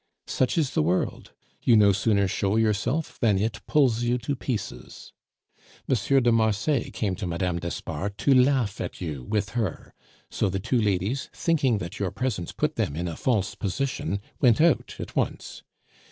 Such is the world! You no sooner show yourself than it pulls you to pieces. "M. de Marsay came to Mme. d'Espard to laugh at you with her; so the two ladies, thinking that your presence put them in a false position, went out at once.